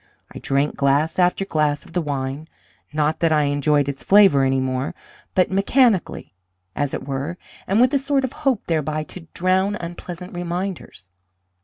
I drank glass after glass of the wine not that I enjoyed its flavour any more, but mechanically, as it were, and with a sort of hope thereby to drown unpleasant reminders.